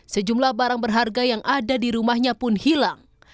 sejumlah barang berharga yang ada di rumahnya pun hilang